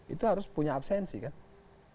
itu harus punya absensi kan